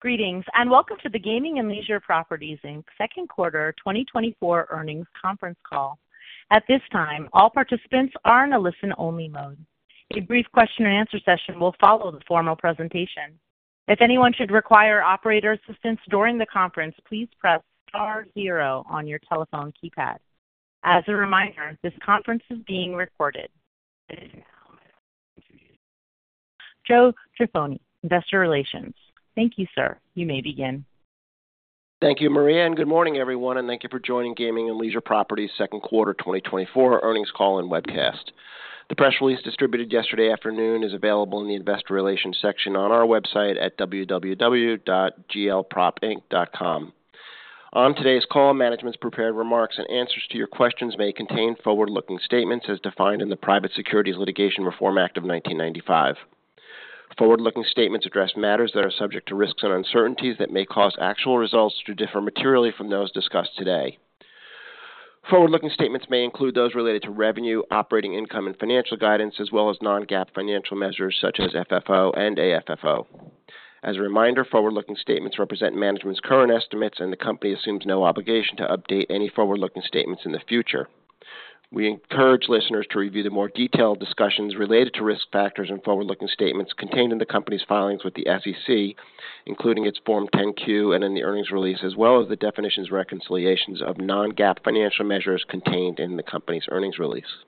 Greetings, and welcome to the Gaming and Leisure Properties Inc.'s second quarter 2024 earnings conference call. At this time, all participants are in a listen-only mode. A brief question-and-answer session will follow the formal presentation. If anyone should require operator assistance during the conference, please press star zero on your telephone keypad. As a reminder, this conference is being recorded. Joseph Jaffoni, Investor Relations. Thank you, sir. You may begin. Thank you, Maria, and good morning, everyone, and thank you for joining Gaming and Leisure Properties second quarter 2024 earnings call and webcast. The press release distributed yesterday afternoon is available in the Investor Relations section on our website at www.glpropinc.com. On today's call, management's prepared remarks and answers to your questions may contain forward-looking statements as defined in the Private Securities Litigation Reform Act of 1995. Forward-looking statements address matters that are subject to risks and uncertainties that may cause actual results to differ materially from those discussed today. Forward-looking statements may include those related to revenue, operating income, and financial guidance, as well as non-GAAP financial measures such as FFO and AFFO. As a reminder, forward-looking statements represent management's current estimates, and the company assumes no obligation to update any forward-looking statements in the future. We encourage listeners to review the more detailed discussions related to risk factors and forward-looking statements contained in the company's filings with the SEC, including its Form 10-Q and in the earnings release, as well as the definitions, reconciliations of non-GAAP financial measures contained in the company's earnings release.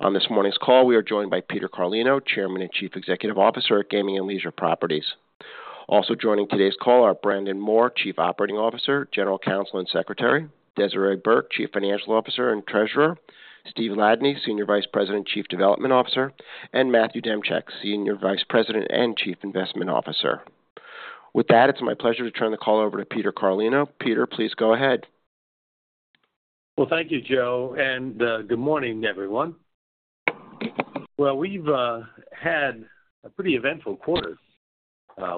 On this morning's call, we are joined by Peter Carlino, Chairman and Chief Executive Officer at Gaming and Leisure Properties. Also joining today's call are Brandon Moore, Chief Operating Officer, General Counsel, and Secretary; Desiree Burke, Chief Financial Officer and Treasurer; Steve Ladany, Senior Vice President and Chief Development Officer; and Matthew Demchyk, Senior Vice President and Chief Investment Officer. With that, it's my pleasure to turn the call over to Peter Carlino. Peter, please go ahead. Well, thank you, Joe, and good morning, everyone. Well, we've had a pretty eventful quarter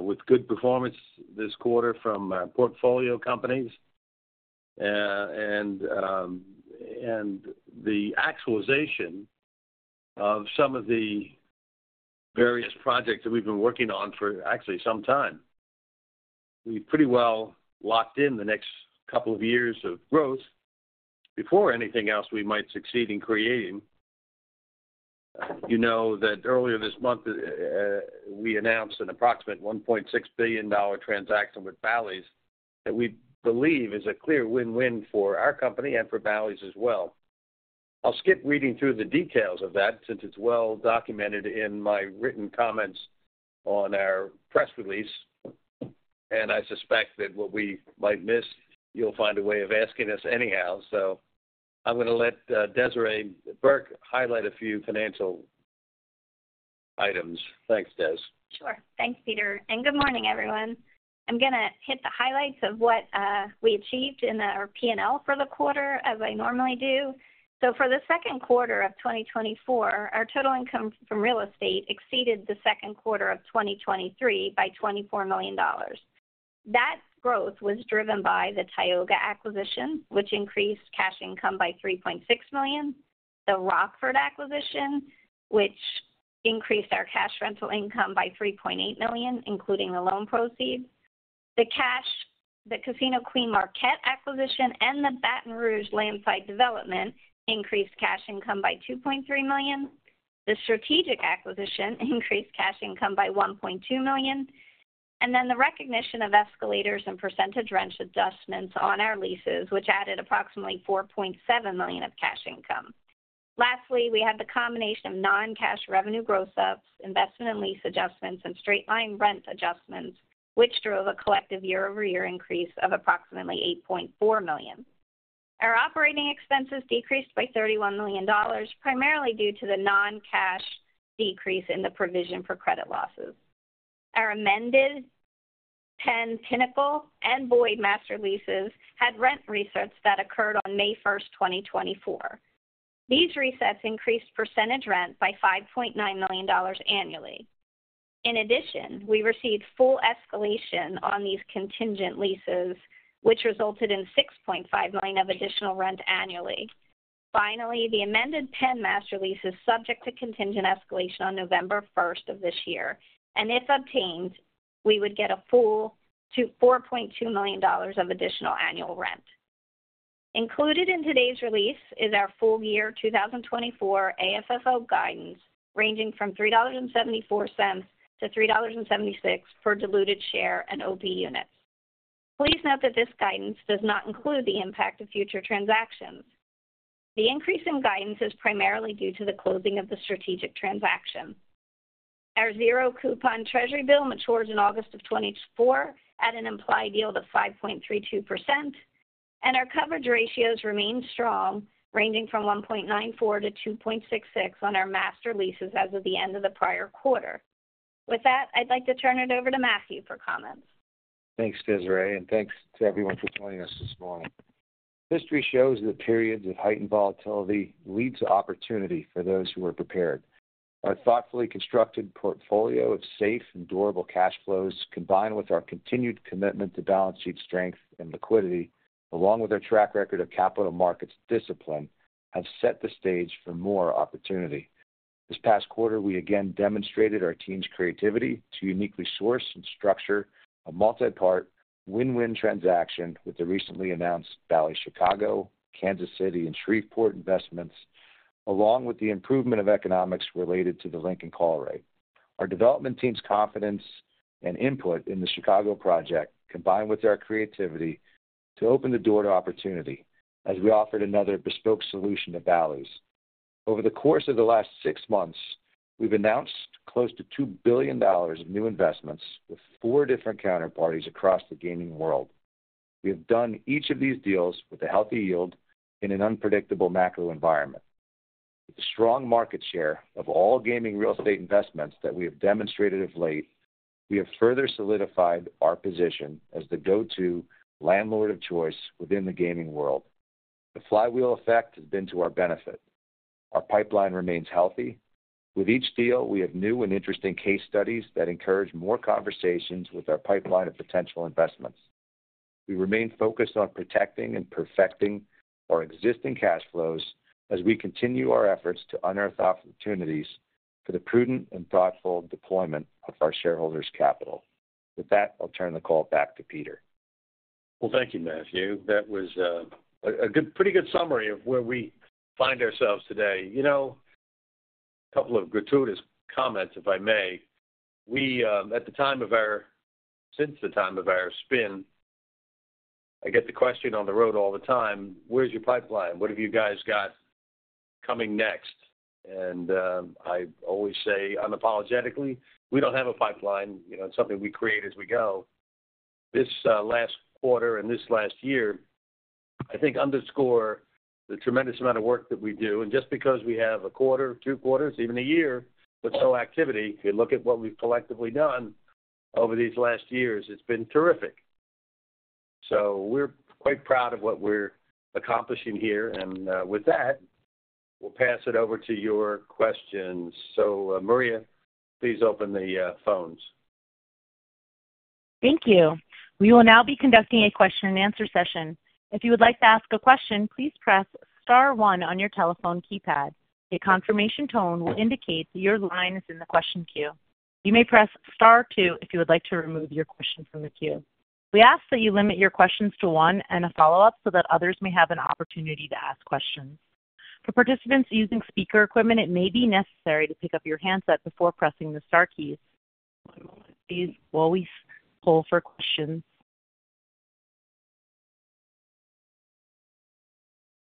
with good performance this quarter from portfolio companies and the actualization of some of the various projects that we've been working on for actually some time. We pretty well locked in the next couple of years of growth before anything else we might succeed in creating. You know that earlier this month we announced an approximate $1.6 billion transaction with Bally's that we believe is a clear win-win for our company and for Bally's as well. I'll skip reading through the details of that, since it's well documented in my written comments on our press release, and I suspect that what we might miss, you'll find a way of asking us anyhow. I'm going to let Desiree Burke highlight a few financial items. Thanks, Des. Sure. Thanks, Peter, and good morning, everyone. I'm going to hit the highlights of what we achieved in our P&L for the quarter, as I normally do. So for the second quarter of 2024, our total income from real estate exceeded the second quarter of 2023 by $24 million. That growth was driven by the Tioga acquisition, which increased cash income by $3.6 million, the Rockford acquisition, which increased our cash rental income by $3.8 million, including the loan proceeds. The Casino Queen Marquette acquisition and the Baton Rouge landside development increased cash income by $2.3 million. The Strategic acquisition increased cash income by $1.2 million, and then the recognition of escalators and percentage rent adjustments on our leases, which added approximately $4.7 million of cash income. Lastly, we had the combination of non-cash revenue gross-ups, investment and lease adjustments, and straight line rent adjustments, which drove a collective year-over-year increase of approximately $8.4 million. Our operating expenses decreased by $31 million, primarily due to the non-cash decrease in the provision for credit losses. Our amended Penn Pinnacle and Boyd master leases had rent resets that occurred on May 1, 2024. These resets increased percentage rent by $5.9 million annually. In addition, we received full escalation on these contingent leases, which resulted in $6.5 million of additional rent annually. Finally, the amended Penn master leases subject to contingent escalation on November 1 of this year, and if obtained, we would get a full to $4.2 million of additional annual rent. Included in today's release is our full year 2024 AFFO guidance, ranging from $3.74 to $3.76 per diluted share and OP units. Please note that this guidance does not include the impact of future transactions. The increase in guidance is primarily due to the closing of the strategic transaction. Our zero coupon treasury bill matures in August 2024 at an implied yield of 5.32%, and our coverage ratios remain strong, ranging from 1.94 to 2.66 on our master leases as of the end of the prior quarter. With that, I'd like to turn it over to Matthew for comments. Thanks, Desiree, and thanks to everyone for joining us this morning. History shows that periods of heightened volatility lead to opportunity for those who are prepared. Our thoughtfully constructed portfolio of safe and durable cash flows, combined with our continued commitment to balance sheet strength and liquidity, along with our track record of capital markets discipline, have set the stage for more opportunity. ... This past quarter, we again demonstrated our team's creativity to uniquely source and structure a multipart, win-win transaction with the recently announced Bally's Chicago, Kansas City, and Shreveport investments, along with the improvement of economics related to the Lincoln Call Option. Our development team's confidence and input in the Chicago project, combined with their creativity, to open the door to opportunity as we offered another bespoke solution to Bally's. Over the course of the last six months, we've announced close to $2 billion of new investments with four different counterparties across the gaming world. We have done each of these deals with a healthy yield in an unpredictable macro environment. With a strong market share of all gaming real estate investments that we have demonstrated of late, we have further solidified our position as the go-to landlord of choice within the gaming world. The flywheel effect has been to our benefit. Our pipeline remains healthy. With each deal, we have new and interesting case studies that encourage more conversations with our pipeline of potential investments. We remain focused on protecting and perfecting our existing cash flows as we continue our efforts to unearth opportunities for the prudent and thoughtful deployment of our shareholders' capital. With that, I'll turn the call back to Peter. Well, thank you, Matthew. That was a pretty good summary of where we find ourselves today. You know, a couple of gratuitous comments, if I may. We, at the time of our—since the time of our spin, I get the question on the road all the time: Where's your pipeline? What have you guys got coming next? And I always say, unapologetically, "We don't have a pipeline, you know, it's something we create as we go." This last quarter and this last year, I think, underscore the tremendous amount of work that we do. And just because we have a quarter, two quarters, even a year with no activity, if you look at what we've collectively done over these last years, it's been terrific. So we're quite proud of what we're accomplishing here, and with that, we'll pass it over to your questions. So, Maria, please open the phones. Thank you. We will now be conducting a question-and-answer session. If you would like to ask a question, please press star one on your telephone keypad. A confirmation tone will indicate that your line is in the question queue. You may press star two if you would like to remove your question from the queue. We ask that you limit your questions to one and a follow-up so that others may have an opportunity to ask questions. For participants using speaker equipment, it may be necessary to pick up your handset before pressing the star keys. One moment, please, while we pull for questions.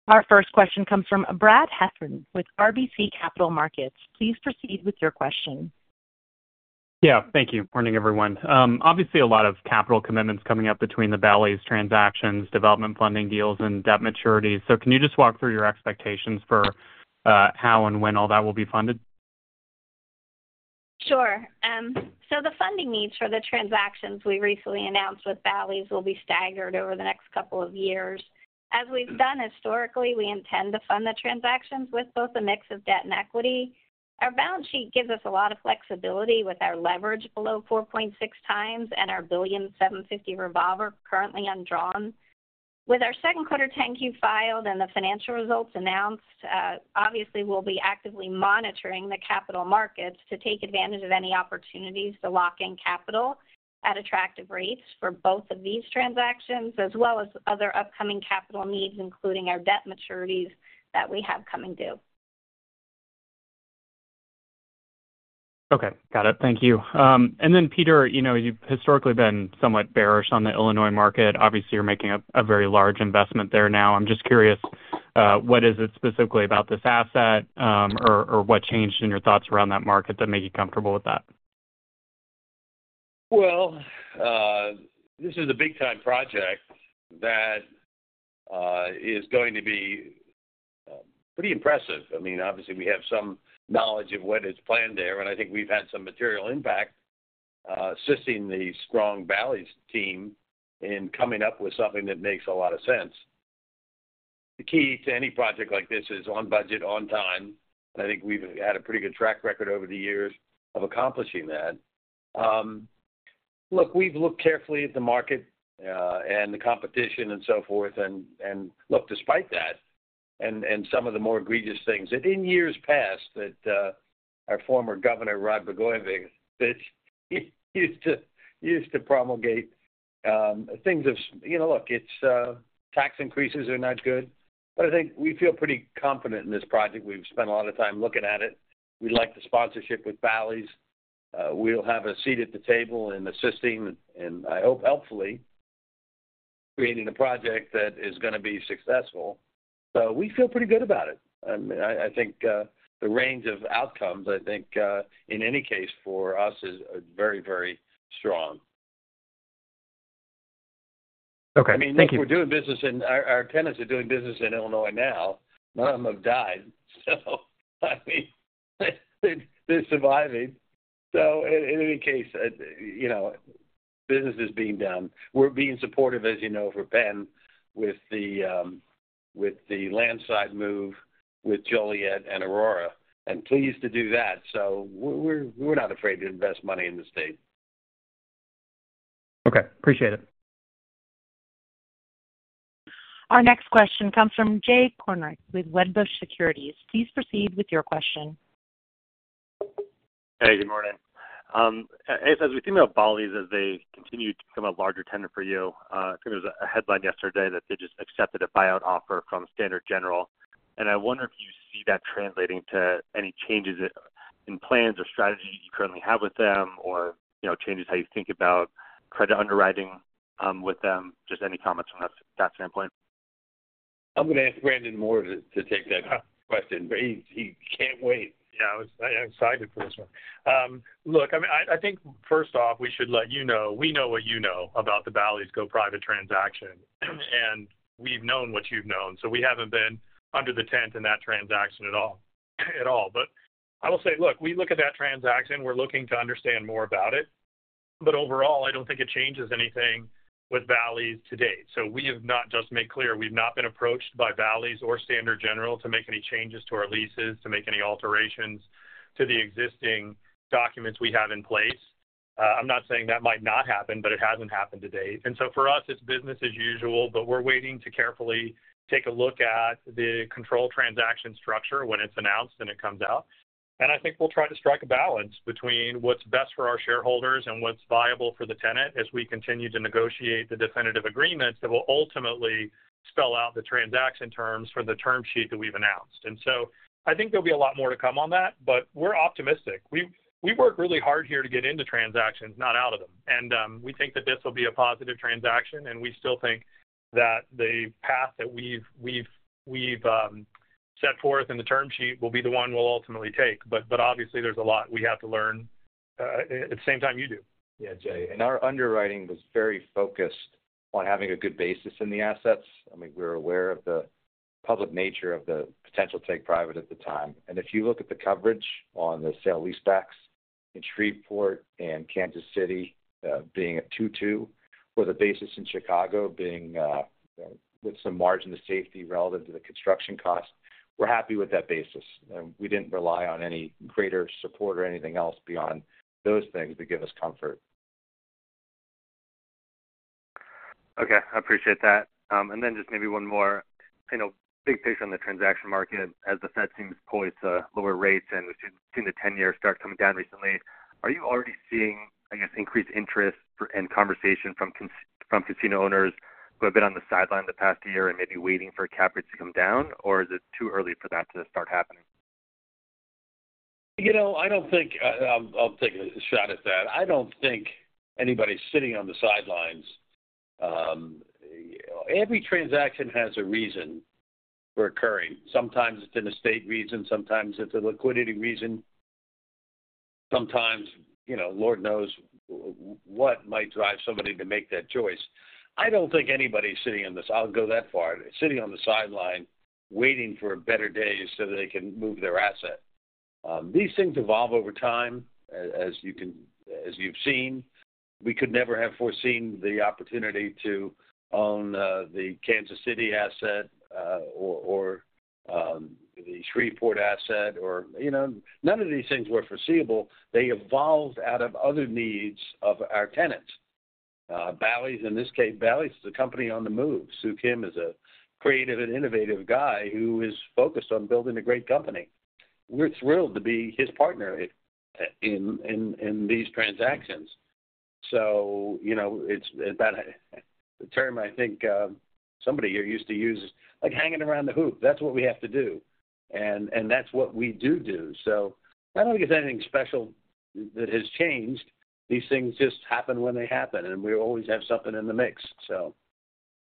Our first question comes from Brad Heffern with RBC Capital Markets. Please proceed with your question. Yeah, thank you. Morning, everyone. Obviously, a lot of capital commitments coming up between the Bally's transactions, development funding deals, and debt maturities. Can you just walk through your expectations for how and when all that will be funded? Sure. So the funding needs for the transactions we recently announced with Bally's will be staggered over the next couple of years. As we've done historically, we intend to fund the transactions with both a mix of debt and equity. Our balance sheet gives us a lot of flexibility with our leverage below 4.6 times and our $1.75 billion revolver currently undrawn. With our second quarter 10-Q filed and the financial results announced, obviously, we'll be actively monitoring the capital markets to take advantage of any opportunities to lock in capital at attractive rates for both of these transactions, as well as other upcoming capital needs, including our debt maturities that we have coming due. Okay, got it. Thank you. And then, Peter, you know, you've historically been somewhat bearish on the Illinois market. Obviously, you're making a very large investment there now. I'm just curious, what is it specifically about this asset, or what changed in your thoughts around that market that made you comfortable with that? Well, this is a big-time project that is going to be pretty impressive. I mean, obviously, we have some knowledge of what is planned there, and I think we've had some material impact assisting the strong Bally's team in coming up with something that makes a lot of sense. The key to any project like this is on budget, on time, and I think we've had a pretty good track record over the years of accomplishing that. Look, we've looked carefully at the market and the competition and so forth, and look, despite that and some of the more egregious things that in years past that our former governor, Rod Blagojevich, that he used to promulgate things of—you know, look, it's tax increases are not good, but I think we feel pretty confident in this project. We've spent a lot of time looking at it. We like the sponsorship with Bally's. We'll have a seat at the table in assisting and, I hope, helpfully, creating a project that is gonna be successful. So we feel pretty good about it. And I think the range of outcomes, I think in any case for us is, are very, very strong. Okay, thank you. I mean, people are doing business in our tenants are doing business in Illinois now. None of them have died, so I mean, they're surviving. So in any case, you know, business is being done. We're being supportive, as you know, for Penn, with the landside move with Joliet and Aurora, and pleased to do that. So we're not afraid to invest money in the state. Okay, appreciate it.... Our next question comes from Jay Kornreich with Wedbush Securities. Please proceed with your question. Hey, good morning. As we think about Bally's, as they continue to become a larger tenant for you, I think there was a headline yesterday that they just accepted a buyout offer from Standard General, and I wonder if you see that translating to any changes in plans or strategies you currently have with them or, you know, changes how you think about credit underwriting with them. Just any comments from that standpoint. I'm gonna ask Brandon Moore to take that question. But he can't wait. Yeah, I'm excited for this one. Look, I mean, I think first off, we should let you know, we know what you know about the Bally's go-private transaction. And we've known what you've known, so we haven't been under the tent in that transaction at all, at all. But I will say, look, we look at that transaction, we're looking to understand more about it. But overall, I don't think it changes anything with Bally's to date. So we have not, just to make clear, we've not been approached by Bally's or Standard General to make any changes to our leases, to make any alterations to the existing documents we have in place. I'm not saying that might not happen, but it hasn't happened to date. So for us, it's business as usual, but we're waiting to carefully take a look at the control transaction structure when it's announced and it comes out. I think we'll try to strike a balance between what's best for our shareholders and what's viable for the tenant, as we continue to negotiate the definitive agreements that will ultimately spell out the transaction terms for the term sheet that we've announced. So I think there'll be a lot more to come on that, but we're optimistic. We've worked really hard here to get into transactions, not out of them. We think that this will be a positive transaction, and we still think that the path that we've set forth in the term sheet will be the one we'll ultimately take. But obviously, there's a lot we have to learn at the same time you do. Yeah, Jay, and our underwriting was very focused on having a good basis in the assets. I mean, we're aware of the public nature of the potential take private at the time. And if you look at the coverage on the sale-leasebacks in Shreveport and Kansas City being at 2.2, or the basis in Chicago being with some margin of safety relative to the construction cost, we're happy with that basis. And we didn't rely on any greater support or anything else beyond those things that give us comfort. Okay, I appreciate that. And then just maybe one more. You know, big picture on the transaction market, as the Fed seems poised to lower rates, and we've seen the 10-year start coming down recently, are you already seeing, I guess, increased interest for, and conversation from casino owners who have been on the sideline the past year and may be waiting for cap rates to come down? Or is it too early for that to start happening? You know, I don't think, I'll take a shot at that. I don't think anybody's sitting on the sidelines. Every transaction has a reason for occurring. Sometimes it's an estate reason, sometimes it's a liquidity reason, sometimes, you know, Lord knows what might drive somebody to make that choice. I don't think anybody's sitting on the side. I'll go that far, sitting on the sideline, waiting for better days so that they can move their asset. These things evolve over time, as you can-- as you've seen. We could never have foreseen the opportunity to own the Kansas City asset, or the Shreveport asset, or, you know, none of these things were foreseeable. They evolved out of other needs of our tenants. Bally's, in this case, Bally's is a company on the move. Soo Kim is a creative and innovative guy who is focused on building a great company. We're thrilled to be his partner in these transactions. So you know, it's that the term I think somebody here used to use, like hanging around the hoop, that's what we have to do. And that's what we do. So I don't think there's anything special that has changed. These things just happen when they happen, and we always have something in the mix. So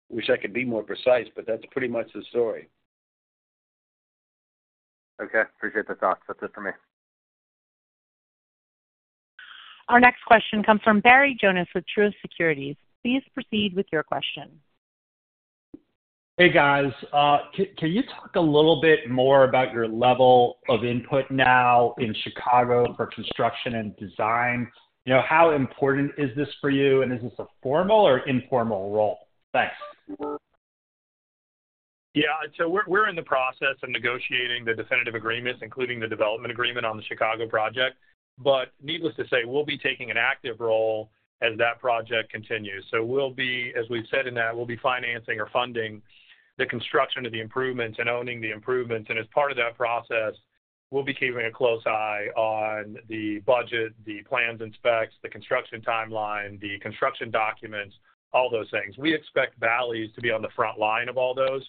wish I could be more precise, but that's pretty much the story. Okay. Appreciate the thoughts. That's it for me. Our next question comes from Barry Jonas with Truist Securities. Please proceed with your question. Hey, guys. Can you talk a little bit more about your level of input now in Chicago for construction and design? You know, how important is this for you, and is this a formal or informal role? Thanks. Yeah, so we're in the process of negotiating the definitive agreements, including the development agreement on the Chicago project. But needless to say, we'll be taking an active role as that project continues. So we'll be, as we've said in that, we'll be financing or funding the construction of the improvements and owning the improvements, and as part of that process, we'll be keeping a close eye on the budget, the plans and specs, the construction timeline, the construction documents, all those things. We expect Bally's to be on the front line of all those,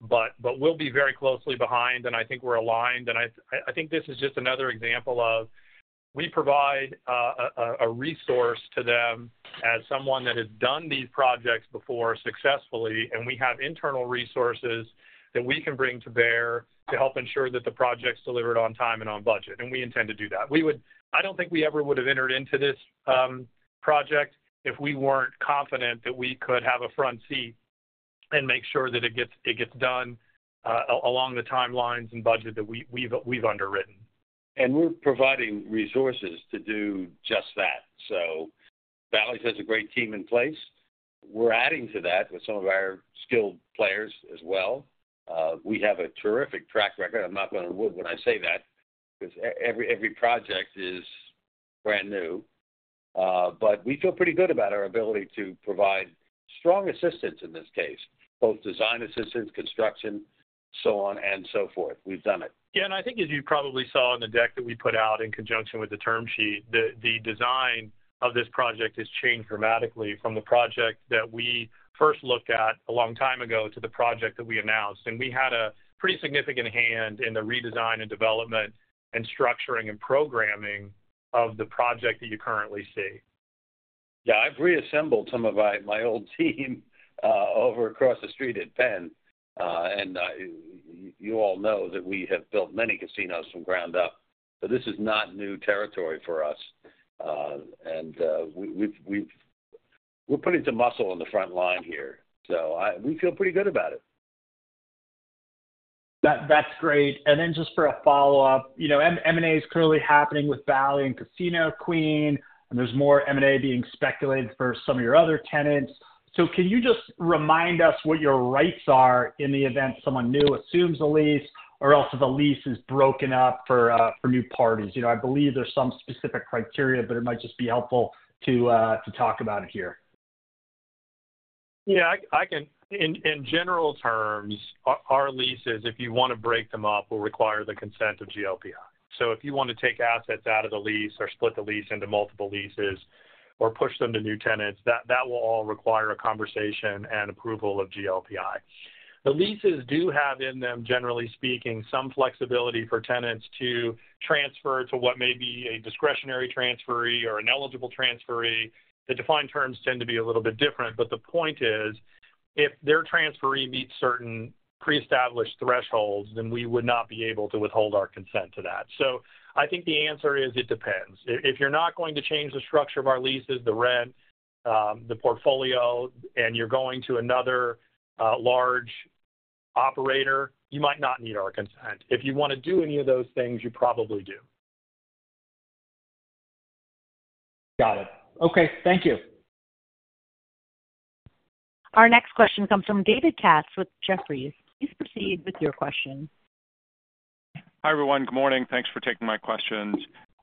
but we'll be very closely behind, and I think we're aligned. I think this is just another example of we provide a resource to them as someone that has done these projects before successfully, and we have internal resources that we can bring to bear to help ensure that the project's delivered on time and on budget, and we intend to do that. I don't think we ever would have entered into this project if we weren't confident that we could have a front seat and make sure that it gets done along the timelines and budget that we've underwritten. We're providing resources to do just that. Bally's has a great team in place. We're adding to that with some of our skilled players as well. We have a terrific track record. I'm not blowing smoke when I say that, because every project is brand new. But we feel pretty good about our ability to provide strong assistance in this case, both design assistance, construction, so on and so forth. We've done it. Yeah, and I think as you probably saw in the deck that we put out in conjunction with the term sheet, the design of this project has changed dramatically from the project that we first looked at a long time ago to the project that we announced. And we had a pretty significant hand in the redesign and development and structuring and programming of the project that you currently see. Yeah, I've reassembled some of my old team over across the street at Penn. You all know that we have built many casinos from ground up, so this is not new territory for us. We're putting some muscle on the front line here, so we feel pretty good about it. That, that's great. And then just for a follow-up, you know, M&A is currently happening with Bally and Casino Queen, and there's more M&A being speculated for some of your other tenants. So can you just remind us what your rights are in the event someone new assumes the lease, or also the lease is broken up for new parties? You know, I believe there's some specific criteria, but it might just be helpful to talk about it here. Yeah, I can. In general terms, our leases, if you want to break them up, will require the consent of GLPI. So if you want to take assets out of the lease or split the lease into multiple leases or push them to new tenants, that will all require a conversation and approval of GLPI. The leases do have in them, generally speaking, some flexibility for tenants to transfer to what may be a discretionary transferee or an eligible transferee. The defined terms tend to be a little bit different, but the point is, if their transferee meets certain pre-established thresholds, then we would not be able to withhold our consent to that. So I think the answer is, it depends. If you're not going to change the structure of our leases, the rent, the portfolio, and you're going to another, large operator, you might not need our consent. If you want to do any of those things, you probably do. Got it. Okay, thank you. Our next question comes from David Katz with Jefferies. Please proceed with your question. Hi, everyone. Good morning. Thanks for taking my questions.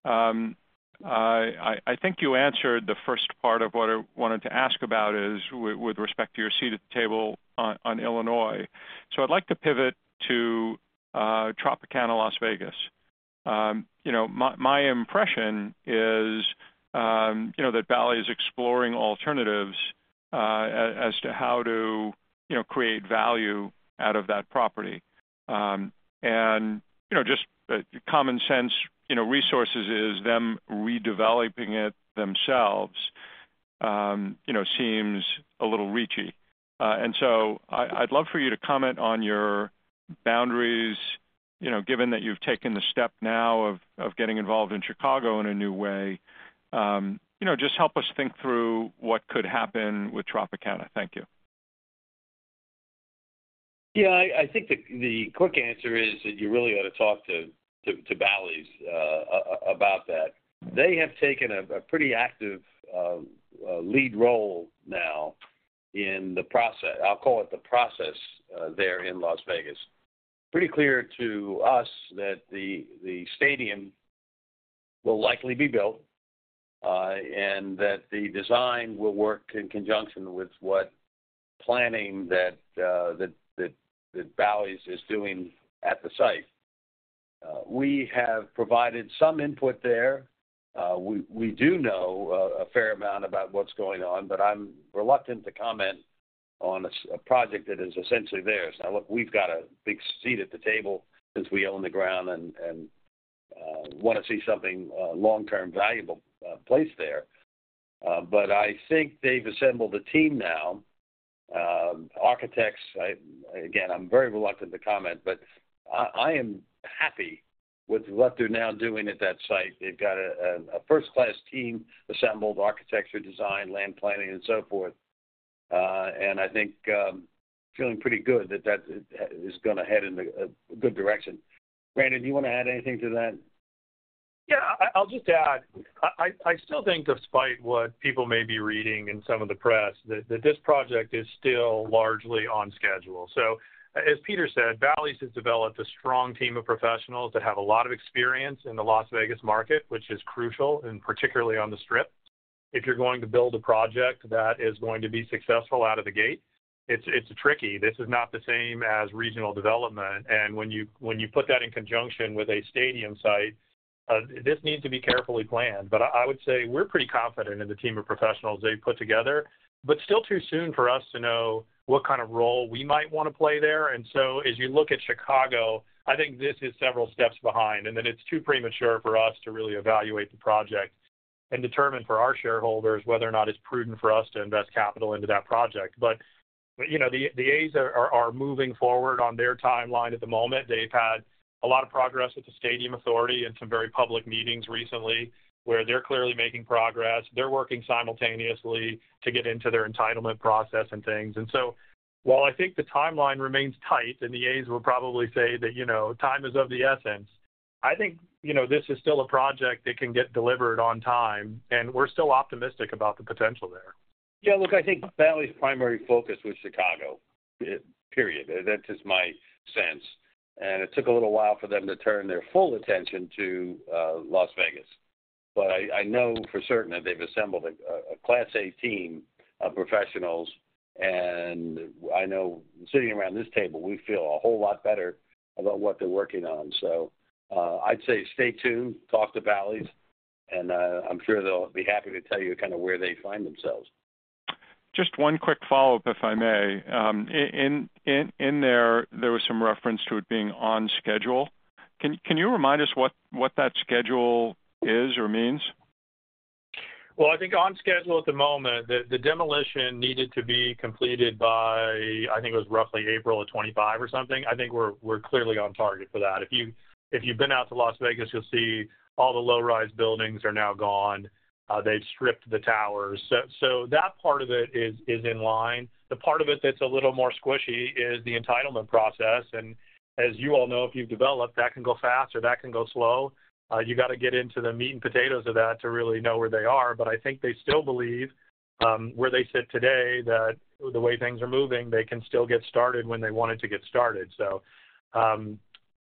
I think you answered the first part of what I wanted to ask about with respect to your seat at the table on Illinois. So I'd like to pivot to Tropicana Las Vegas. You know, my impression is, you know, that Bally's exploring alternatives as to how to, you know, create value out of that property. And, you know, just common sense, you know, resources is them redeveloping it themselves, you know, seems a little reachy. And so I'd love for you to comment on your boundaries, you know, given that you've taken the step now of getting involved in Chicago in a new way. You know, just help us think through what could happen with Tropicana. Thank you. Yeah, I think the quick answer is that you really ought to talk to Bally's about that. They have taken a pretty active lead role now in the process. I'll call it the process there in Las Vegas. Pretty clear to us that the stadium will likely be built, and that the design will work in conjunction with what planning that Bally's is doing at the site. We have provided some input there. We do know a fair amount about what's going on, but I'm reluctant to comment on a project that is essentially theirs. Now, look, we've got a big seat at the table since we own the ground and want to see something long-term valuable placed there. But I think they've assembled a team now, architects. Again, I'm very reluctant to comment, but I am happy with what they're now doing at that site. They've got a first-class team assembled, architecture, design, land planning, and so forth. And I think, feeling pretty good that that is gonna head in a good direction. Brandon, do you want to add anything to that? Yeah, I'll just add, I still think despite what people may be reading in some of the press, that this project is still largely on schedule. So as Peter said, Bally's has developed a strong team of professionals that have a lot of experience in the Las Vegas market, which is crucial, and particularly on the Strip. If you're going to build a project that is going to be successful out of the gate, it's tricky. This is not the same as regional development. And when you put that in conjunction with a stadium site, this needs to be carefully planned. But I would say we're pretty confident in the team of professionals they've put together, but still too soon for us to know what kind of role we might want to play there. As you look at Chicago, I think this is several steps behind, and that it's too premature for us to really evaluate the project and determine for our shareholders whether or not it's prudent for us to invest capital into that project. But, you know, the A's are moving forward on their timeline at the moment. They've had a lot of progress with the stadium authority and some very public meetings recently, where they're clearly making progress. They're working simultaneously to get into their entitlement process and things. And so while I think the timeline remains tight, and the A's will probably say that, you know, time is of the essence, I think, you know, this is still a project that can get delivered on time, and we're still optimistic about the potential there.... Yeah, look, I think Bally's primary focus was Chicago, period. That is my sense. And it took a little while for them to turn their full attention to Las Vegas. But I know for certain that they've assembled a class A team of professionals, and I know sitting around this table, we feel a whole lot better about what they're working on. So, I'd say stay tuned, talk to Bally's, and I'm sure they'll be happy to tell you kind of where they find themselves. Just one quick follow-up, if I may. In there, there was some reference to it being on schedule. Can you remind us what that schedule is or means? Well, I think on schedule at the moment, the demolition needed to be completed by, I think it was roughly April of 2025 or something. I think we're, we're clearly on target for that. If you, if you've been out to Las Vegas, you'll see all the low-rise buildings are now gone. They've stripped the towers. So that part of it is, is in line. The part of it that's a little more squishy is the entitlement process, and as you all know, if you've developed, that can go fast or that can go slow. You got to get into the meat and potatoes of that to really know where they are. But I think they still believe, where they sit today, that the way things are moving, they can still get started when they wanted to get started.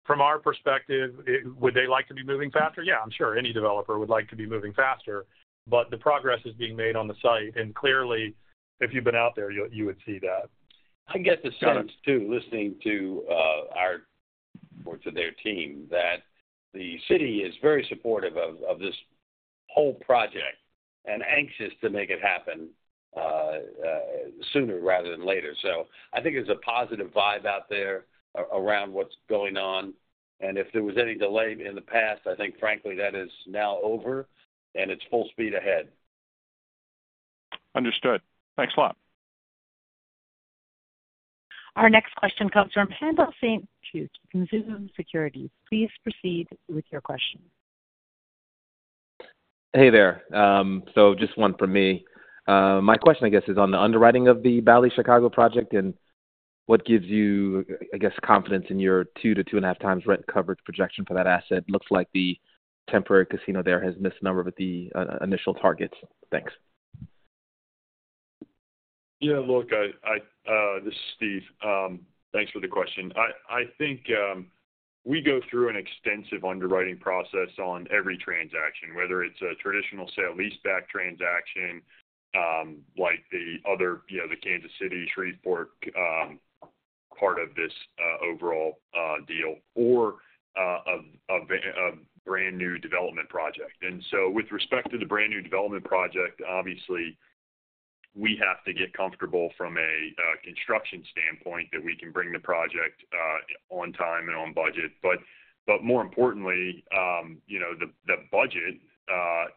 From our perspective, would they like to be moving faster? Yeah, I'm sure any developer would like to be moving faster, but the progress is being made on the site. And clearly, if you've been out there, you would see that. I get the sense, too, listening to our or to their team, that the city is very supportive of this whole project and anxious to make it happen sooner rather than later. So I think there's a positive vibe out there around what's going on, and if there was any delay in the past, I think, frankly, that is now over, and it's full speed ahead. Understood. Thanks a lot. Our next question comes from Haendel St. Juste from Mizuho. Please proceed with your question. Hey there. So just one from me. My question, I guess, is on the underwriting of the Bally's Chicago project, and what gives you, I guess, confidence in your 2-2.5 times rent coverage projection for that asset? Looks like the temporary casino there has missed a number of the initial targets. Thanks. Yeah, look, this is Steve. Thanks for the question. I think we go through an extensive underwriting process on every transaction, whether it's a traditional sale-leaseback transaction like the other, you know, the Kansas City, Shreveport part of this overall deal or a brand-new development project. And so with respect to the brand-new development project, obviously, we have to get comfortable from a construction standpoint that we can bring the project on time and on budget. But more importantly, you know, the budget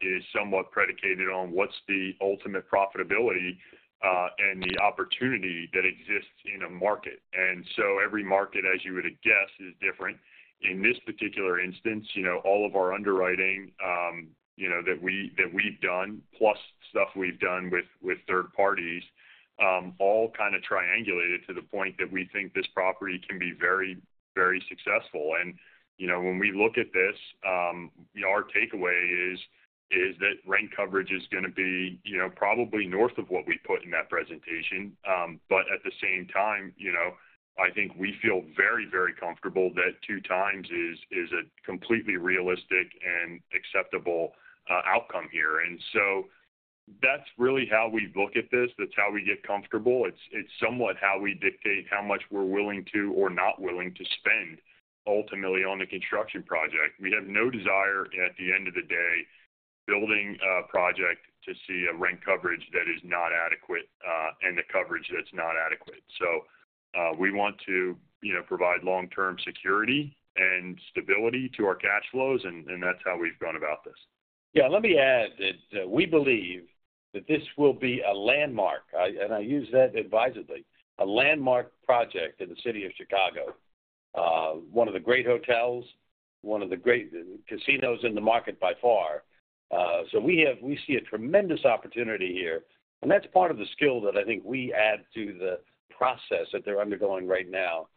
is somewhat predicated on what's the ultimate profitability and the opportunity that exists in a market. And so every market, as you would guess, is different. In this particular instance, you know, all of our underwriting, you know, that we, that we've done, plus stuff we've done with, with third parties, all kind of triangulated to the point that we think this property can be very, very successful. You know, when we look at this, our takeaway is that rent coverage is gonna be, you know, probably north of what we put in that presentation. But at the same time, you know, I think we feel very, very comfortable that 2x is a completely realistic and acceptable outcome here. And so that's really how we look at this. That's how we get comfortable. It's somewhat how we dictate how much we're willing to or not willing to spend ultimately on the construction project. We have no desire, at the end of the day, building a project to see a rent coverage that is not adequate, and a coverage that's not adequate. So, we want to, you know, provide long-term security and stability to our cash flows, and, and that's how we've gone about this. Yeah, let me add that, we believe that this will be a landmark, and I use that advisedly, a landmark project in the city of Chicago. One of the great hotels, one of the great casinos in the market by far. So we see a tremendous opportunity here, and that's part of the skill that I think we add to the process that they're undergoing right now.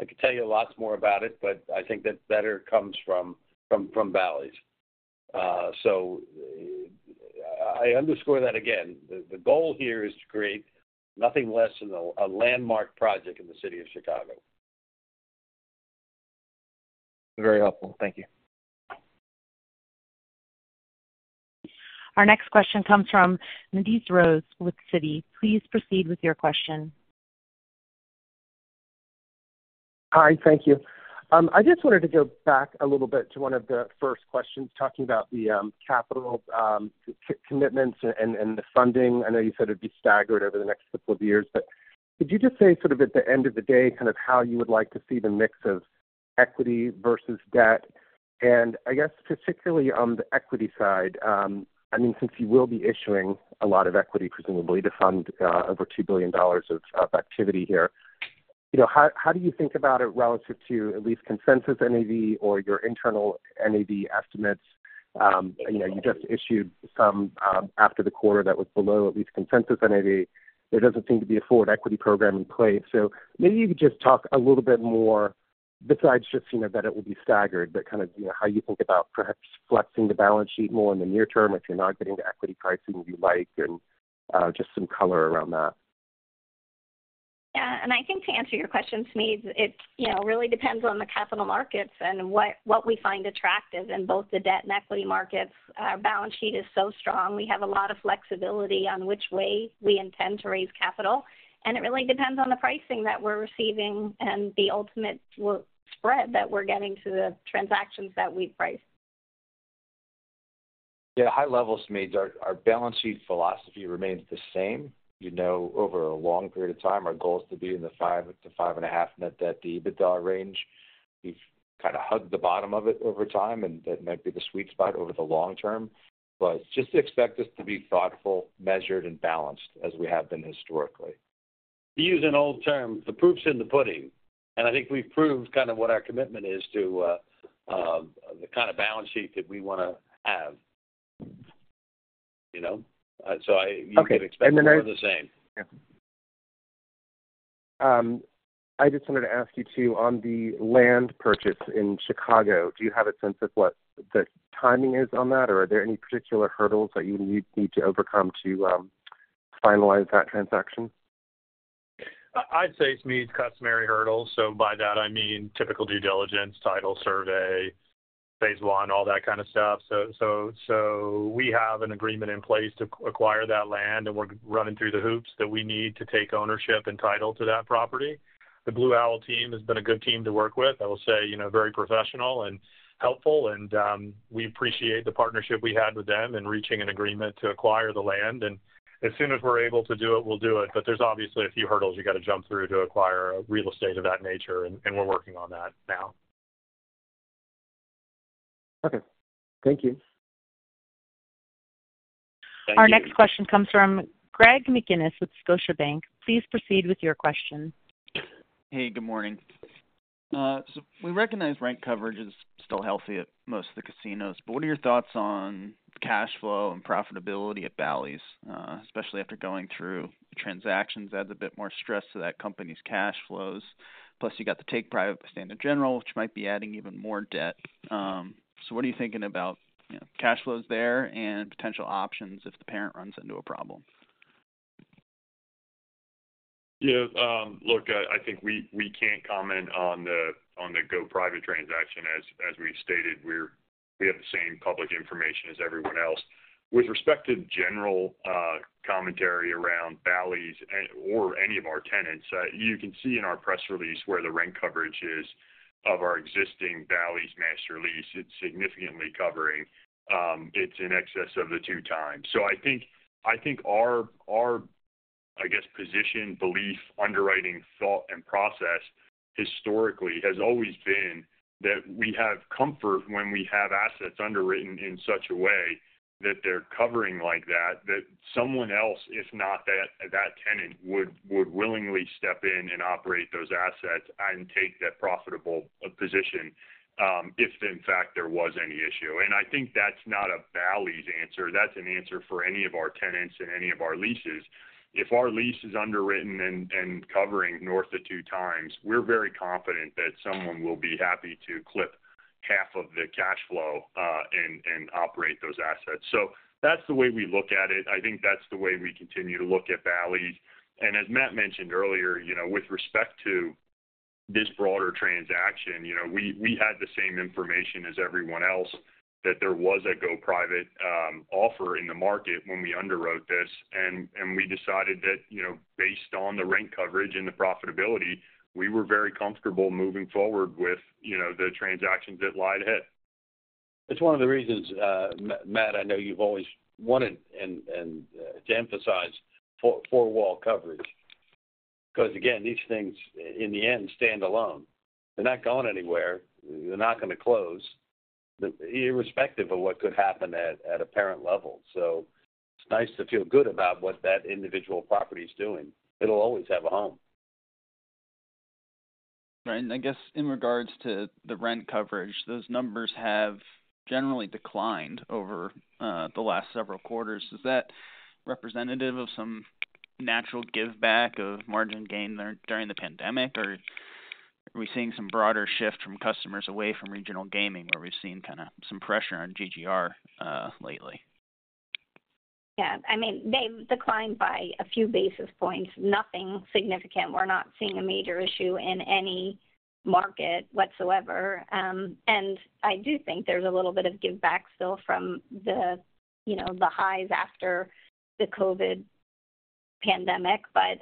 I could tell you lots more about it, but I think that better comes from Bally's. So I underscore that again, the goal here is to create nothing less than a landmark project in the city of Chicago. Very helpful. Thank you. Our next question comes from Smedes Rose with Citi. Please proceed with your question. Hi, thank you. I just wanted to go back a little bit to one of the first questions, talking about the capital commitments and the funding. I know you said it'd be staggered over the next couple of years, but could you just say sort of at the end of the day, kind of how you would like to see the mix of equity versus debt? And I guess, particularly on the equity side, I mean, since you will be issuing a lot of equity, presumably to fund over $2 billion of activity here, you know, how do you think about it relative to at least consensus NAV or your internal NAV estimates? You know, you just issued some after the quarter that was below at least consensus NAV. There doesn't seem to be a forward equity program in place. So maybe you could just talk a little bit more besides just, you know, that it will be staggered, but kind of, you know, how you think about perhaps flexing the balance sheet more in the near term if you're not getting the equity pricing you like, and just some color around that. Yeah, and I think to answer your question, Smedes, it, you know, really depends on the capital markets and what, what we find attractive in both the debt and equity markets. Our balance sheet is so strong, we have a lot of flexibility on which way we intend to raise capital, and it really depends on the pricing that we're receiving and the ultimate spread that we're getting to the transactions that we price. Yeah, high levels, Smedes, our balance sheet philosophy remains the same. You know, over a long period of time, our goal is to be in the 5-5.5 net debt to EBITDA range. We've kind of hugged the bottom of it over time, and that might be the sweet spot over the long term. But just expect us to be thoughtful, measured, and balanced, as we have been historically. To use an old term, the proof's in the pudding, and I think we've proved kind of what our commitment is to the kind of balance sheet that we wanna have, you know? So I- Okay, and then I- You can expect more the same. Yeah. I just wanted to ask you, too, on the land purchase in Chicago, do you have a sense of what the timing is on that, or are there any particular hurdles that you need to overcome to finalize that transaction? I'd say, Smedes, customary hurdles. So by that I mean typical due diligence, title survey, phase one, all that kind of stuff. So we have an agreement in place to acquire that land, and we're running through the hoops that we need to take ownership and title to that property. The Blue Owl team has been a good team to work with. I will say, you know, very professional and helpful, and we appreciate the partnership we had with them in reaching an agreement to acquire the land. And as soon as we're able to do it, we'll do it. But there's obviously a few hurdles you got to jump through to acquire real estate of that nature, and we're working on that now. Okay. Thank you. Thank you. Our next question comes from Greg McGinniss with Scotiabank. Please proceed with your question. Hey, good morning. So we recognize rent coverage is still healthy at most of the casinos, but what are your thoughts on cash flow and profitability at Bally's, especially after going through the transactions, adds a bit more stress to that company's cash flows, plus you got the take private with Standard General, which might be adding even more debt. So what are you thinking about, you know, cash flows there and potential options if the parent runs into a problem? Yeah, look, I think we can't comment on the go-private transaction. As we've stated, we have the same public information as everyone else. With respect to general commentary around Bally's and/or any of our tenants, you can see in our press release where the rent coverage is of our existing Bally's master lease. It's significantly covering, it's in excess of the two times. So I think our position, belief, underwriting, thought, and process historically has always been that we have comfort when we have assets underwritten in such a way that they're covering like that, that someone else, if not that tenant, would willingly step in and operate those assets and take that profitable position, if in fact there was any issue. And I think that's not a Bally's answer, that's an answer for any of our tenants and any of our leases. If our lease is underwritten and covering north of two times, we're very confident that someone will be happy to clip half of the cash flow and operate those assets. So that's the way we look at it. I think that's the way we continue to look at Bally's. And as Matt mentioned earlier, you know, with respect to this broader transaction, you know, we had the same information as everyone else, that there was a go private offer in the market when we underwrote this. And we decided that, you know, based on the rent coverage and the profitability, we were very comfortable moving forward with, you know, the transactions that lie ahead. It's one of the reasons, Matt, I know you've always wanted and to emphasize four-wall coverage, because, again, these things in the end, stand alone. They're not going anywhere. They're not gonna close, irrespective of what could happen at a parent level. So it's nice to feel good about what that individual property is doing. It'll always have a home. Right. And I guess in regards to the rent coverage, those numbers have generally declined over the last several quarters. Is that representative of some natural giveback of margin gain during the pandemic, or are we seeing some broader shift from customers away from regional gaming, where we've seen kind of some pressure on GGR lately? Yeah, I mean, they've declined by a few basis points, nothing significant. We're not seeing a major issue in any market whatsoever. And I do think there's a little bit of giveback still from the, you know, the highs after the COVID pandemic. But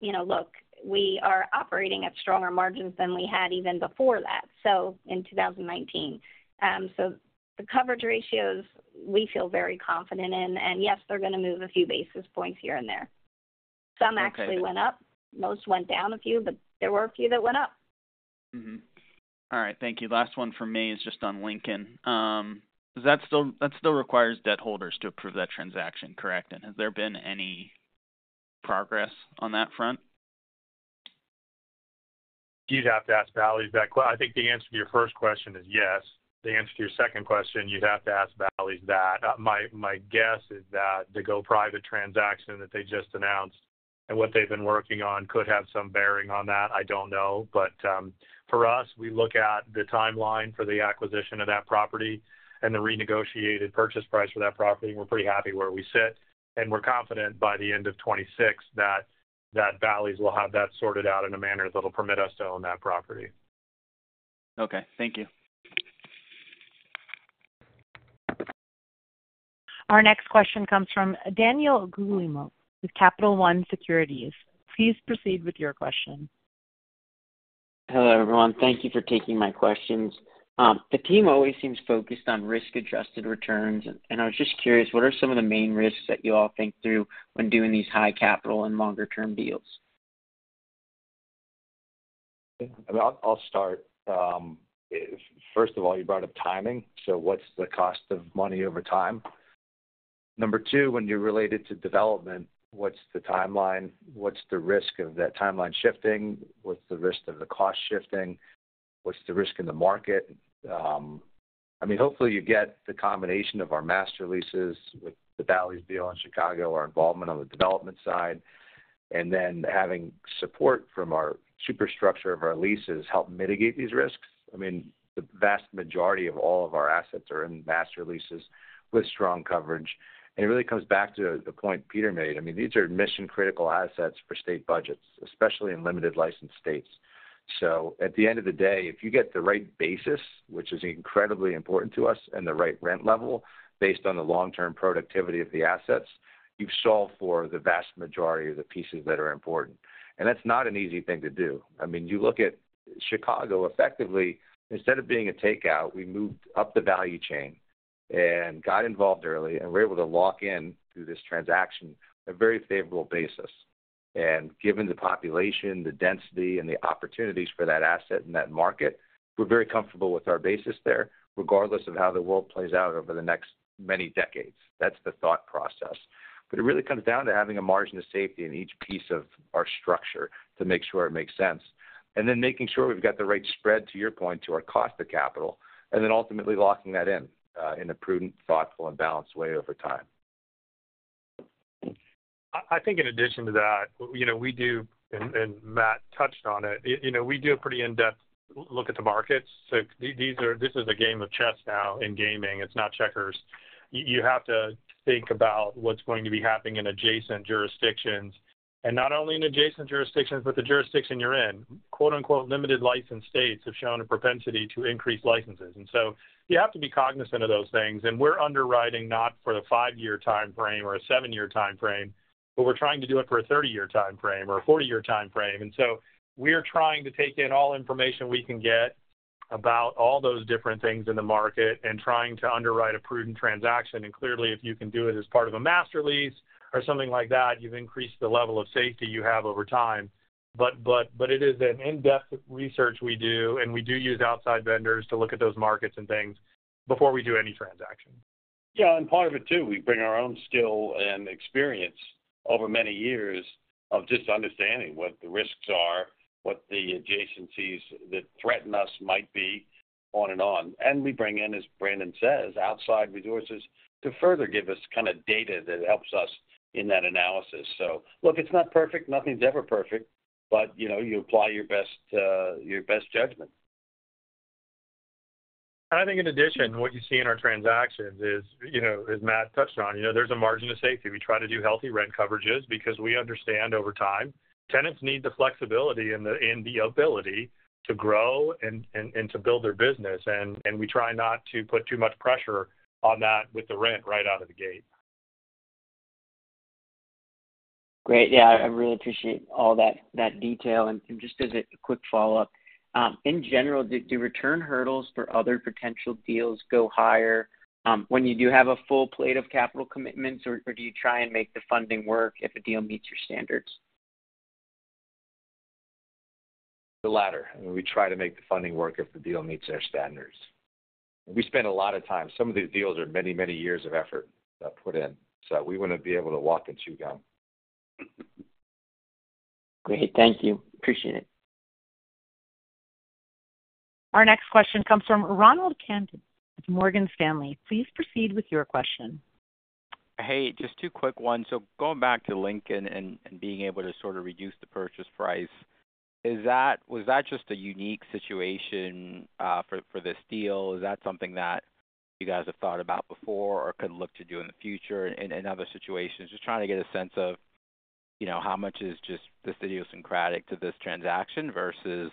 you know, look, we are operating at stronger margins than we had even before that, so in 2019. So the coverage ratios, we feel very confident in, and yes, they're going to move a few basis points here and there. Okay. Some actually went up. Most went down a few, but there were a few that went up. Mm-hmm. All right, thank you. Last one from me is just on Lincoln. Does that still require debt holders to approve that transaction, correct? And has there been any progress on that front? You'd have to ask Bally's that. I think the answer to your first question is yes. The answer to your second question, you'd have to ask Bally's that. My, my guess is that the go private transaction that they just announced-... and what they've been working on could have some bearing on that, I don't know. But, for us, we look at the timeline for the acquisition of that property and the renegotiated purchase price for that property, and we're pretty happy where we sit. And we're confident by the end of 2026, that, that Bally's will have that sorted out in a manner that'll permit us to own that property. Okay, thank you. Our next question comes from Daniel Guglielmo with Capital One Securities. Please proceed with your question. Hello, everyone. Thank you for taking my questions. The team always seems focused on risk-adjusted returns, and I was just curious, what are some of the main risks that you all think through when doing these high capital and longer-term deals? I'll start. First of all, you brought up timing, so what's the cost of money over time? Number two, when you relate it to development, what's the timeline? What's the risk of that timeline shifting? What's the risk of the cost shifting? What's the risk in the market? I mean, hopefully, you get the combination of our master leases with the Bally's deal in Chicago, our involvement on the development side, and then having support from our superstructure of our leases help mitigate these risks. I mean, the vast majority of all of our assets are in master leases with strong coverage. And it really comes back to the point Peter made. I mean, these are mission-critical assets for state budgets, especially in limited licensed states. At the end of the day, if you get the right basis, which is incredibly important to us, and the right rent level, based on the long-term productivity of the assets, you've solved for the vast majority of the pieces that are important. That's not an easy thing to do. I mean, you look at Chicago, effectively, instead of being a takeout, we moved up the value chain and got involved early, and we're able to lock in, through this transaction, a very favorable basis. Given the population, the density, and the opportunities for that asset in that market, we're very comfortable with our basis there, regardless of how the world plays out over the next many decades. That's the thought process. It really comes down to having a margin of safety in each piece of our structure to make sure it makes sense, and then making sure we've got the right spread, to your point, to our cost of capital, and then ultimately locking that in, in a prudent, thoughtful, and balanced way over time. I think in addition to that, you know, we do, and Matt touched on it, you know, we do a pretty in-depth look at the markets. So these are. This is a game of chess now in gaming. It's not checkers. You have to think about what's going to be happening in adjacent jurisdictions, and not only in adjacent jurisdictions, but the jurisdiction you're in. Quote, unquote, "Limited licensed states have shown a propensity to increase licenses." And so you have to be cognizant of those things, and we're underwriting not for the five-year timeframe or a seven-year timeframe, but we're trying to do it for a thirty-year timeframe or a forty-year timeframe. And so we are trying to take in all information we can get about all those different things in the market and trying to underwrite a prudent transaction. And clearly, if you can do it as part of a master lease or something like that, you've increased the level of safety you have over time. But it is an in-depth research we do, and we do use outside vendors to look at those markets and things before we do any transaction. Yeah, and part of it, too, we bring our own skill and experience over many years of just understanding what the risks are, what the adjacencies that threaten us might be, on and on. And we bring in, as Brandon says, outside resources to further give us kind of data that helps us in that analysis. So look, it's not perfect. Nothing's ever perfect, but, you know, you apply your best, your best judgment. I think in addition, what you see in our transactions is, you know, as Matt touched on, you know, there's a margin of safety. We try to do healthy rent coverages because we understand over time, tenants need the flexibility and the ability to grow and to build their business. We try not to put too much pressure on that with the rent right out of the gate. Great. Yeah, I really appreciate all that detail. And just as a quick follow-up, in general, do return hurdles for other potential deals go higher, when you do have a full plate of capital commitments, or do you try and make the funding work if a deal meets your standards? The latter. We try to make the funding work if the deal meets our standards. We spend a lot of time. Some of these deals are many, many years of effort, put in, so we want to be able to walk and chew gum. Great. Thank you. Appreciate it. Our next question comes from Ronald Kamdem with Morgan Stanley. Please proceed with your question. Hey, just two quick ones. So going back to Lincoln and being able to sort of reduce the purchase price, is that—was that just a unique situation for this deal? Is that something that you guys have thought about before or could look to do in the future in other situations? Just trying to get a sense of, you know, how much is just this idiosyncratic to this transaction versus,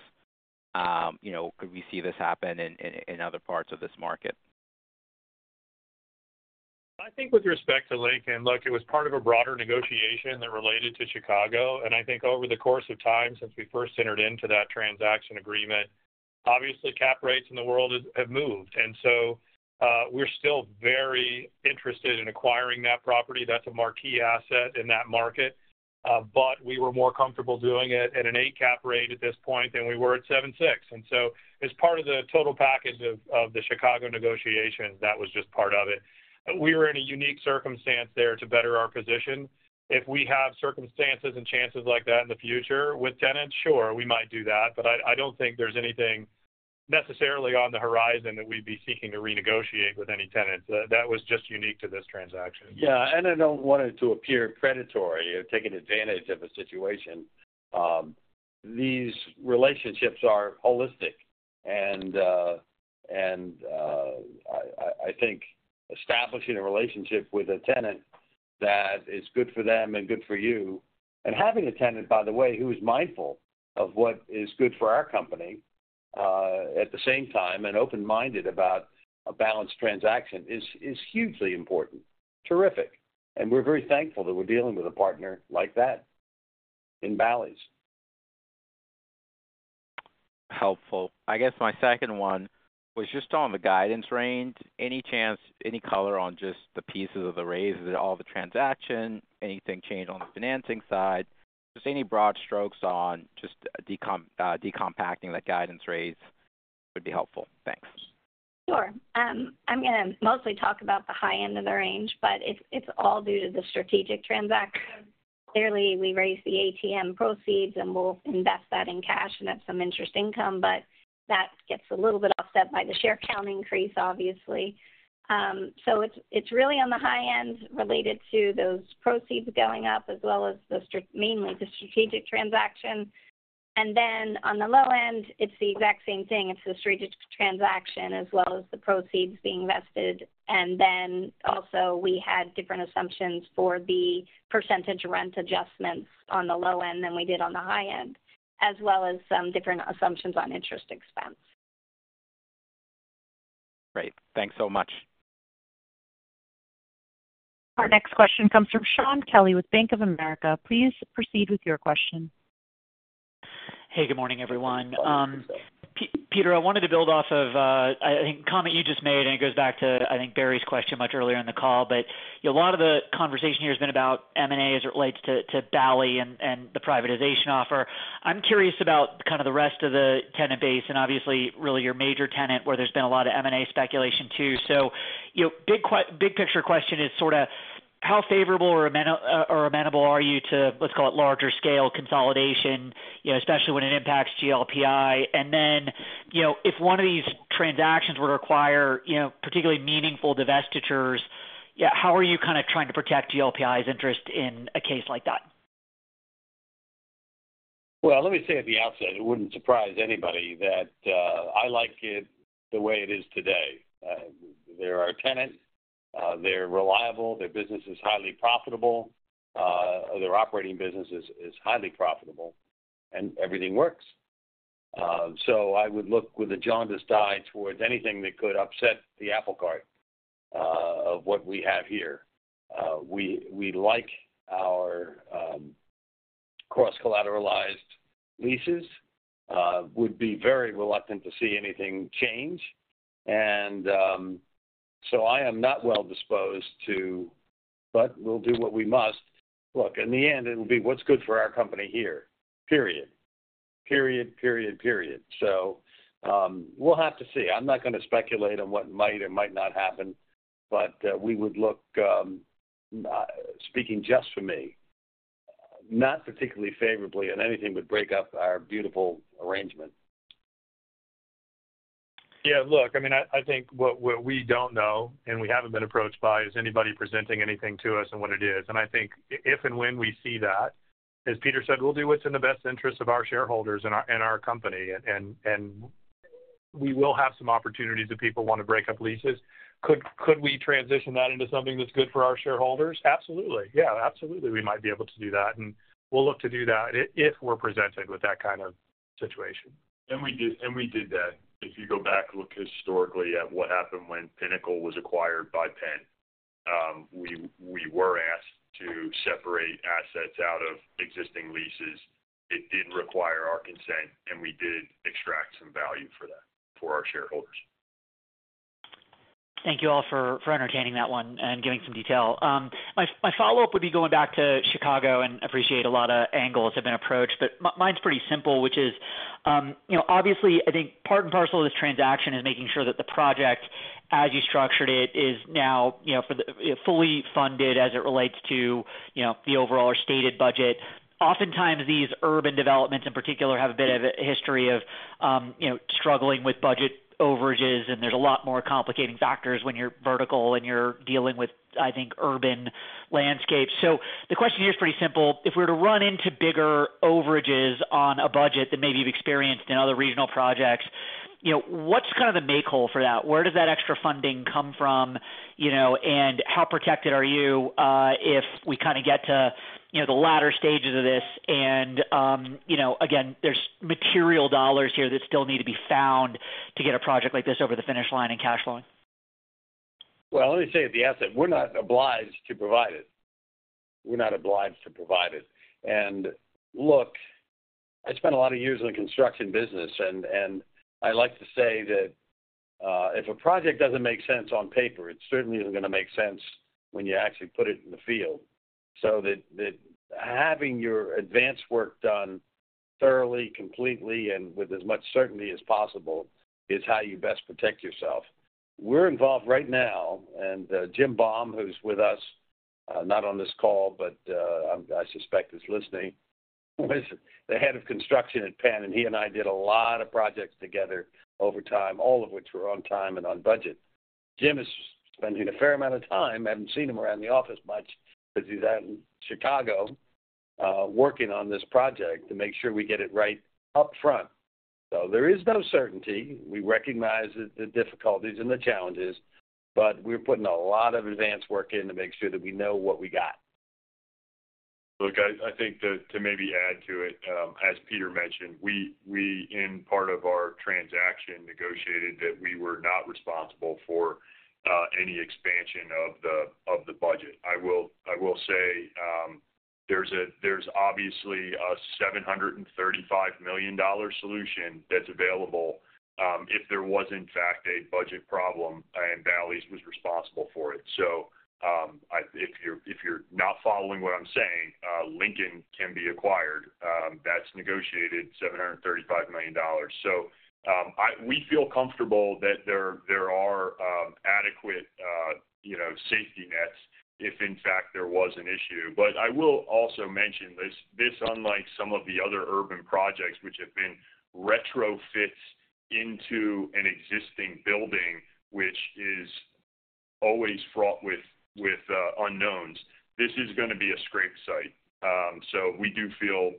you know, could we see this happen in other parts of this market? I think with respect to Lincoln, look, it was part of a broader negotiation that related to Chicago, and I think over the course of time since we first entered into that transaction agreement, obviously, cap rates in the world have moved. And so, we're still very interested in acquiring that property. That's a marquee asset in that market. But we were more comfortable doing it at an 8 cap rate at this point than we were at 7.6. And so as part of the total package of the Chicago negotiation, that was just part of it. We were in a unique circumstance there to better our position. If we have circumstances and chances like that in the future with tenants, sure, we might do that, but I don't think there's anything... necessarily on the horizon that we'd be seeking to renegotiate with any tenant. That was just unique to this transaction. Yeah, and I don't want it to appear predatory or taking advantage of a situation. These relationships are holistic, and I think establishing a relationship with a tenant that is good for them and good for you, and having a tenant, by the way, who is mindful of what is good for our company, at the same time, and open-minded about a balanced transaction is hugely important. Terrific. And we're very thankful that we're dealing with a partner like that in Bally's. Helpful. I guess my second one was just on the guidance range. Any chance, any color on just the pieces of the raise, all the transaction, anything change on the financing side? Just any broad strokes on just decompacting that guidance raise would be helpful. Thanks. Sure. I'm gonna mostly talk about the high end of the range, but it's, it's all due to the strategic transaction. Clearly, we raised the ATM proceeds, and we'll invest that in cash, and that's some interest income, but that gets a little bit offset by the share count increase, obviously. So it's, it's really on the high end related to those proceeds going up, as well as mainly the strategic transaction. And then on the low end, it's the exact same thing. It's the strategic transaction as well as the proceeds being invested. And then also, we had different assumptions for the percentage rent adjustments on the low end than we did on the high end, as well as some different assumptions on interest expense. Great. Thanks so much. Our next question comes from Shaun Kelley with Bank of America. Please proceed with your question. Hey, good morning, everyone. Peter, I wanted to build off of, I think, a comment you just made, and it goes back to, I think, Barry's question much earlier in the call. But, you know, a lot of the conversation here has been about M&A as it relates to, to Bally and, and the privatization offer. I'm curious about kind of the rest of the tenant base and obviously really your major tenant, where there's been a lot of M&A speculation, too. So, you know, big picture question is sort of: How favorable or amen- or amenable are you to, let's call it, larger scale consolidation, you know, especially when it impacts GLPI? And then, you know, if one of these transactions would require, you know, particularly meaningful divestitures, yeah, how are you kind of trying to protect GLPI's interest in a case like that? Well, let me say at the outset, it wouldn't surprise anybody that I like it the way it is today. They're our tenant, they're reliable, their business is highly profitable, their operating business is highly profitable, and everything works. So I would look with a jaundiced eye towards anything that could upset the apple cart of what we have here. We like our cross-collateralized leases, would be very reluctant to see anything change. And so I am not well disposed to... But we'll do what we must. Look, in the end, it'll be what's good for our company here, period. Period, period, period. So we'll have to see. I'm not gonna speculate on what might or might not happen, but, we would look, speaking just for me, not particularly favorably on anything that would break up our beautiful arrangement. Yeah, look, I mean, I think what we don't know, and we haven't been approached by, is anybody presenting anything to us and what it is. And I think if and when we see that, as Peter said, we'll do what's in the best interest of our shareholders and our, and our company, and we will have some opportunities if people want to break up leases. Could we transition that into something that's good for our shareholders? Absolutely. Yeah, absolutely, we might be able to do that, and we'll look to do that if we're presented with that kind of situation. We did, and we did that. If you go back and look historically at what happened when Pinnacle was acquired by Penn, we, we were asked to separate assets out of existing leases. It did require our consent, and we did extract some value for that for our shareholders. Thank you all for entertaining that one and giving some detail. My follow-up would be going back to Chicago and appreciate a lot of angles have been approached, but mine's pretty simple, which is, you know, obviously, I think part and parcel of this transaction is making sure that the project, as you structured it, is now, you know, for the fully funded as it relates to, you know, the overall or stated budget. Oftentimes, these urban developments, in particular, have a bit of a history of, you know, struggling with budget overages, and there's a lot more complicating factors when you're vertical, and you're dealing with, I think, urban landscape. So the question here is pretty simple. If we were to run into bigger overages on a budget than maybe you've experienced in other regional projects, you know, what's kind of the make whole for that? Where does that extra funding come from, you know, and how protected are you, if we kind of get to, you know, the latter stages of this and, you know, again, there's material dollars here that still need to be found to get a project like this over the finish line and cash flowing? Well, let me tell you at the outset, we're not obliged to provide it. We're not obliged to provide it. And look, I spent a lot of years in the construction business, and I like to say that if a project doesn't make sense on paper, it certainly isn't gonna make sense when you actually put it in the field. So that having your advance work done thoroughly, completely, and with as much certainty as possible is how you best protect yourself. We're involved right now, and Jim Baum, who's with us, not on this call, but I suspect is listening, was the head of construction at Penn, and he and I did a lot of projects together over time, all of which were on time and on budget. Jim is spending a fair amount of time. I haven't seen him around the office much because he's out in Chicago, working on this project to make sure we get it right up front. So there is no certainty. We recognize the difficulties and the challenges, but we're putting a lot of advance work in to make sure that we know what we got. Look, I think to maybe add to it, as Peter mentioned, in part of our transaction, we negotiated that we were not responsible for any expansion of the budget. I will say, there's obviously a $735 million solution that's available, if there was, in fact, a budget problem and Bally's was responsible for it. So, if you're not following what I'm saying, Lincoln can be acquired. That's negotiated $735 million. So, we feel comfortable that there are adequate, you know, safety nets if in fact there was an issue. But I will also mention, this unlike some of the other urban projects which have been retrofits into an existing building, which is always fraught with unknowns, this is gonna be a scrape site. So we do feel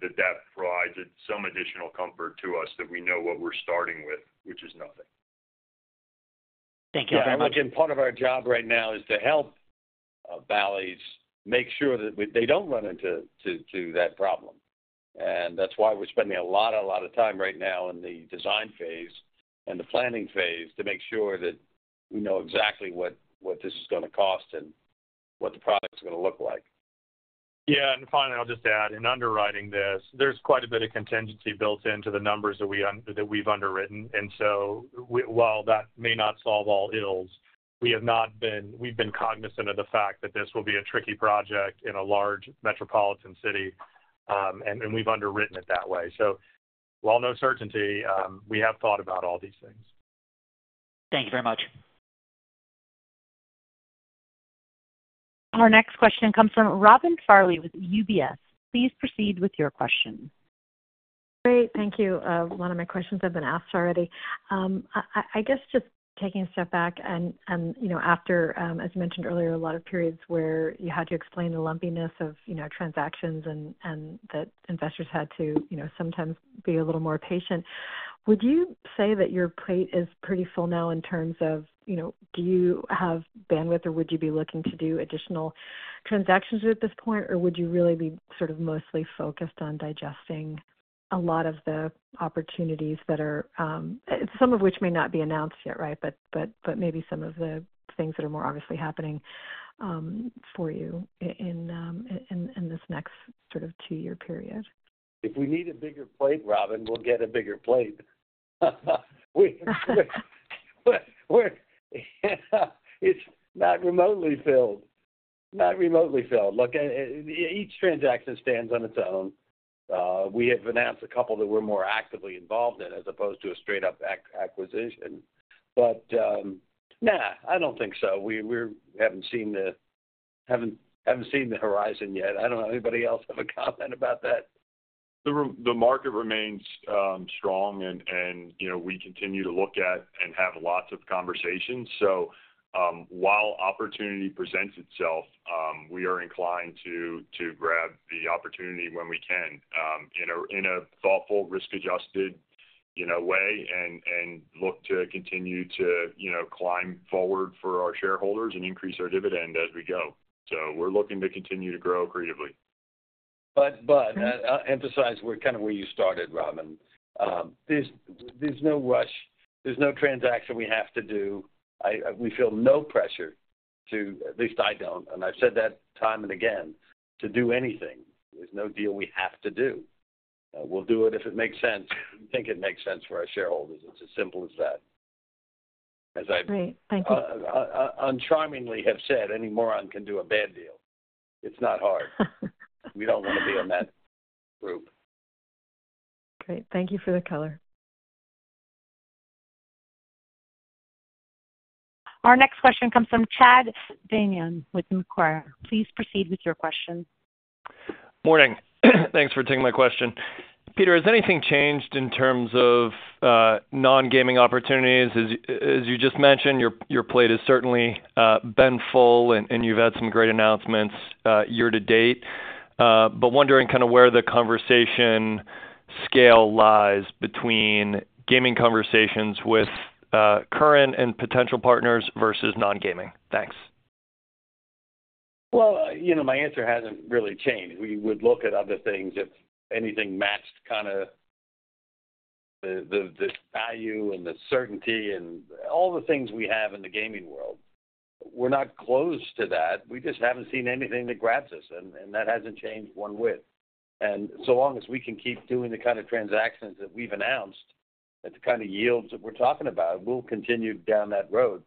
that that provides some additional comfort to us that we know what we're starting with, which is nothing. Thank you very much. Yeah, I think part of our job right now is to help Bally's make sure that we - they don't run into to that problem. And that's why we're spending a lot, a lot of time right now in the design phase and the planning phase to make sure that we know exactly what this is gonna cost and what the product's gonna look like. Yeah, and finally, I'll just add, in underwriting this, there's quite a bit of contingency built into the numbers that we've underwritten. And so while that may not solve all ills, we've been cognizant of the fact that this will be a tricky project in a large metropolitan city, and we've underwritten it that way. So while no certainty, we have thought about all these things. Thank you very much. Our next question comes from Robin Farley with UBS. Please proceed with your question. Great. Thank you. One of my questions have been asked already. I guess just taking a step back and, you know, after, as you mentioned earlier, a lot of periods where you had to explain the lumpiness of, you know, transactions and that investors had to, you know, sometimes be a little more patient. Would you say that your plate is pretty full now in terms of, you know, do you have bandwidth, or would you be looking to do additional transactions at this point, or would you really be sort of mostly focused on digesting a lot of the opportunities that are... Some of which may not be announced yet, right? But maybe some of the things that are more obviously happening, for you in this next sort of two-year period. If we need a bigger plate, Robin, we'll get a bigger plate. But we're, it's not remotely filled. Not remotely filled. Look, each transaction stands on its own. We have announced a couple that we're more actively involved in as opposed to a straight up acquisition. But, nah, I don't think so. We haven't seen the horizon yet. I don't know, anybody else have a comment about that? The market remains strong and, you know, we continue to look at and have lots of conversations. So, while opportunity presents itself, we are inclined to grab the opportunity when we can, in a thoughtful, risk-adjusted, you know, way, and look to continue to, you know, climb forward for our shareholders and increase our dividend as we go. So we're looking to continue to grow creatively. But I emphasize where, kind of where you started, Robin. There's no rush. There's no transaction we have to do. We feel no pressure to, at least I don't, and I've said that time and again, to do anything. There's no deal we have to do. We'll do it if it makes sense, think it makes sense for our shareholders. It's as simple as that. As I've- Great. Thank you. uncharmingly have said, any moron can do a bad deal. It's not hard. We don't want to be in that group. Great. Thank you for the color. Our next question comes from Chad Beynon with Macquarie. Please proceed with your question. Morning. Thanks for taking my question. Peter, has anything changed in terms of non-gaming opportunities? As you just mentioned, your plate has certainly been full, and you've had some great announcements year to date. But wondering kind of where the conversation scale lies between gaming conversations with current and potential partners versus non-gaming. Thanks. Well, you know, my answer hasn't really changed. We would look at other things if anything matched kind of the value and the certainty and all the things we have in the gaming world. We're not closed to that. We just haven't seen anything that grabs us, and that hasn't changed one wit. And so long as we can keep doing the kind of transactions that we've announced, at the kind of yields that we're talking about, we'll continue down that road.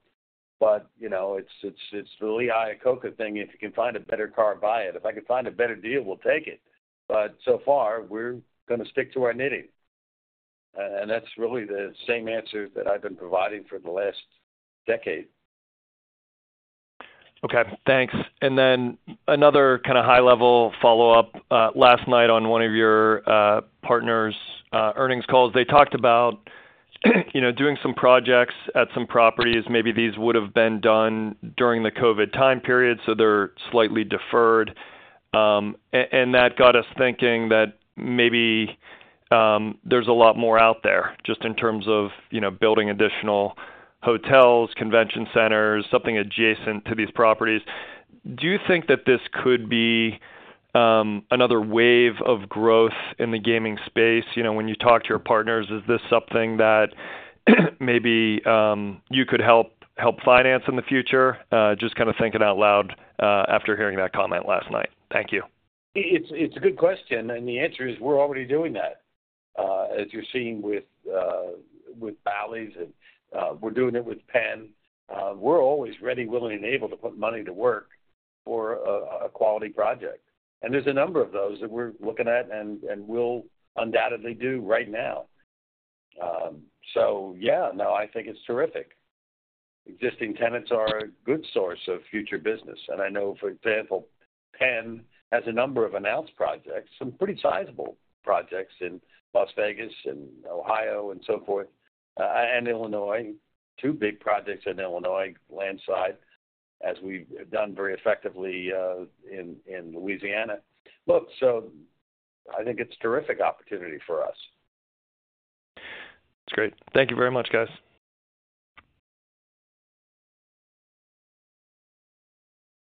But, you know, it's the Lee Iacocca thing: If you can find a better car, buy it. If I can find a better deal, we'll take it. But so far, we're gonna stick to our knitting.... And that's really the same answer that I've been providing for the last decade. Okay, thanks. And then another kind of high-level follow-up. Last night, on one of your partners' earnings calls, they talked about, you know, doing some projects at some properties. Maybe these would have been done during the COVID time period, so they're slightly deferred. And that got us thinking that maybe there's a lot more out there, just in terms of, you know, building additional hotels, convention centers, something adjacent to these properties. Do you think that this could be another wave of growth in the gaming space? You know, when you talk to your partners, is this something that maybe you could help finance in the future? Just kind of thinking out loud after hearing that comment last night. Thank you. It's a good question, and the answer is, we're already doing that. As you're seeing with Bally's, and we're doing it with Penn. We're always ready, willing, and able to put money to work for a quality project. And there's a number of those that we're looking at, and we'll undoubtedly do right now. So yeah, no, I think it's terrific. Existing tenants are a good source of future business. And I know, for example, Penn has a number of announced projects, some pretty sizable projects in Las Vegas and Ohio and so forth, and Illinois. Two big projects in Illinois, landside, as we've done very effectively in Louisiana. Look, so I think it's terrific opportunity for us. That's great. Thank you very much, guys.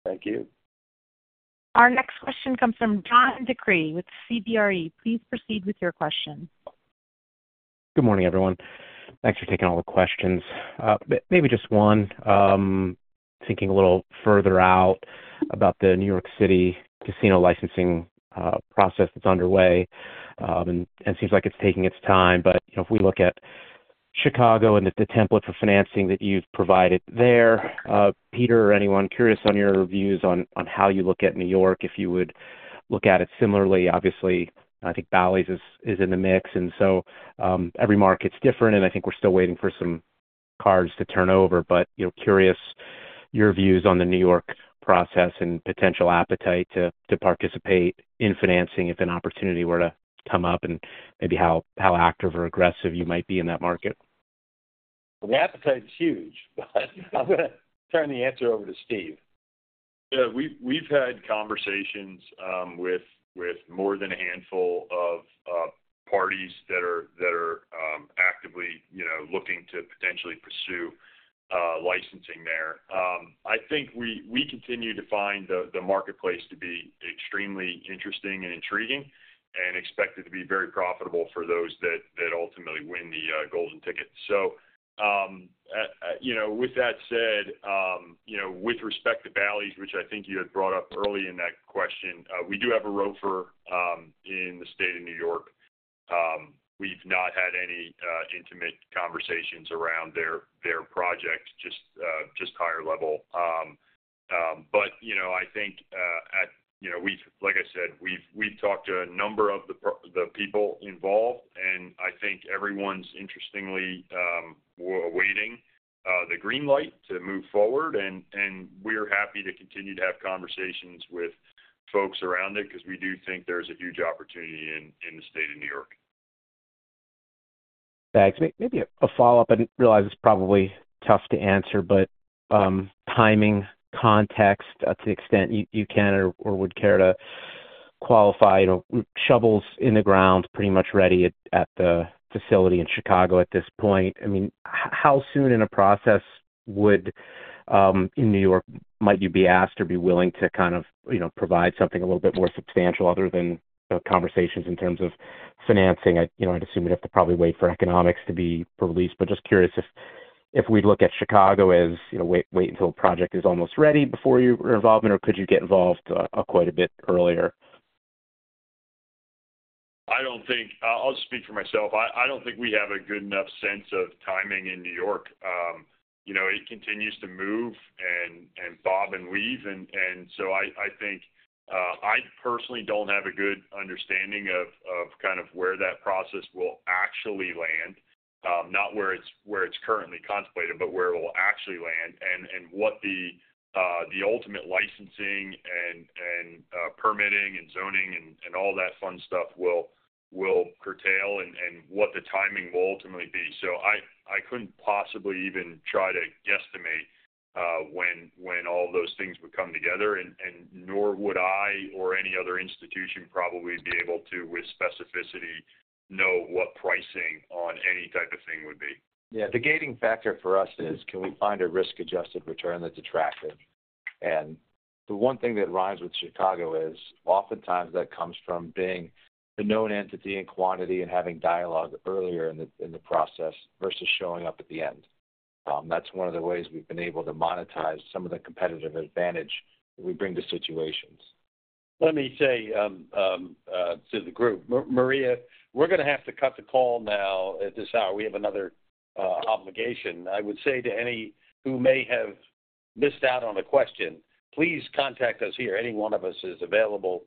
Thank you. Our next question comes from John DeCree with CBRE. Please proceed with your question. Good morning, everyone. Thanks for taking all the questions. Maybe just one. Thinking a little further out about the New York City casino licensing process that's underway, and seems like it's taking its time. But, you know, if we look at Chicago and the template for financing that you've provided there, Peter or anyone, curious on your views on how you look at New York, if you would look at it similarly. Obviously, I think Bally's is in the mix, and so, every market's different, and I think we're still waiting for some cards to turn over. But, you know, curious your views on the New York process and potential appetite to participate in financing if an opportunity were to come up, and maybe how active or aggressive you might be in that market. The appetite is huge, but I'm going to turn the answer over to Steve. Yeah, we've had conversations with more than a handful of parties that are actively, you know, looking to potentially pursue licensing there. I think we continue to find the marketplace to be extremely interesting and intriguing, and expect it to be very profitable for those that ultimately win the golden ticket. So, you know, with that said, you know, with respect to Bally's, which I think you had brought up early in that question, we do have a ROFR in the state of New York. We've not had any intimate conversations around their project, just higher level. But, you know, I think at... You know, like I said, we've talked to a number of the people involved, and I think everyone's interestingly awaiting the green light to move forward. And we're happy to continue to have conversations with folks around it, 'cause we do think there's a huge opportunity in the state of New York. Thanks. Maybe a follow-up. I realize it's probably tough to answer, but timing, context, to the extent you can or would care to qualify. You know, shovels in the ground, pretty much ready at the facility in Chicago at this point. I mean, how soon in a process would, in New York, might you be asked or be willing to kind of, you know, provide something a little bit more substantial, other than the conversations in terms of financing? You know, I'd assume you'd have to probably wait for economics to be released. But just curious if we look at Chicago as, you know, wait until project is almost ready before you were involved, or could you get involved quite a bit earlier? I don't think I'll speak for myself. I don't think we have a good enough sense of timing in New York. You know, it continues to move and bob and weave. And so I think, I personally don't have a good understanding of kind of where that process will actually land. Not where it's currently contemplated, but where it will actually land, and what the ultimate licensing and permitting and zoning and all that fun stuff will curtail, and what the timing will ultimately be. So I couldn't possibly even try to guesstimate when all those things would come together, and nor would I, or any other institution, probably be able to, with specificity, know what pricing on any type of thing would be. Yeah, the gating factor for us is, can we find a risk-adjusted return that's attractive? The one thing that rhymes with Chicago is, oftentimes, that comes from being the known entity and quantity and having dialogue earlier in the process, versus showing up at the end. That's one of the ways we've been able to monetize some of the competitive advantage we bring to situations. Let me say to the group. Maria, we're going to have to cut the call now at this hour. We have another obligation. I would say to any who may have missed out on a question, please contact us here. Any one of us is available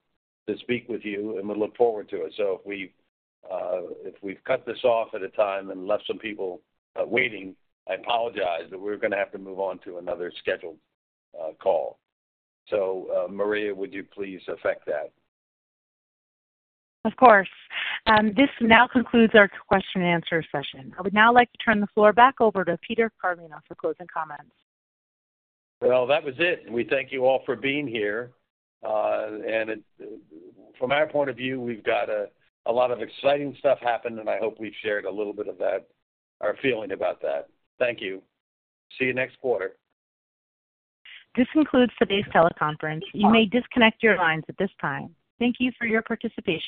to speak with you, and we look forward to it. So if we, if we've cut this off at a time and left some people waiting, I apologize, but we're going to have to move on to another scheduled call. So, Maria, would you please effect that? Of course. This now concludes our question and answer session. I would now like to turn the floor back over to Peter Carlino for closing comments. Well, that was it, and we thank you all for being here. From our point of view, we've got a lot of exciting stuff happening, and I hope we've shared a little bit of that, our feeling about that. Thank you. See you next quarter. This concludes today's teleconference. You may disconnect your lines at this time. Thank you for your participation.